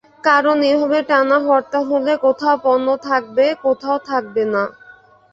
কারণ এভাবে টানা হরতাল হলে কোথাও পণ্য থাকবে, কোথাও থাকবে না।